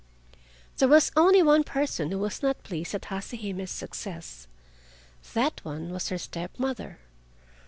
There was only one person who was not pleased at Hase Hime's success. That one was her stepmother.